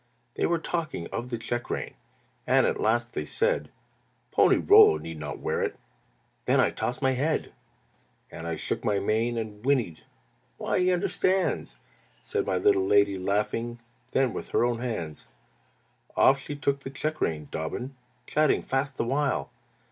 "They were talking of the check rein, And at last they said: 'Pony Rollo need not wear it!' Then I tossed my head, "And I shook my mane and whinnied. 'Why, he understands!' Said my little lady, laughing. Then with her own hands "Off she took the check rein, Dobbin, Chatting fast the while.